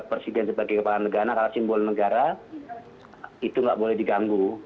agak presiden sebagai pahala negara simbol negara itu tidak boleh diganggu